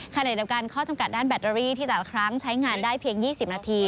ขณะเดียวกันข้อจำกัดด้านแบตเตอรี่ที่แต่ละครั้งใช้งานได้เพียง๒๐นาที